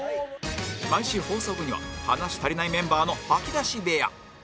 毎週放送後には話し足りないメンバーの吐き出し部屋